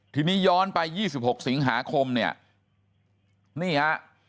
ทีนี้ย้อนไป๒๖สิงหาคมเนี่ยนี่ฮะ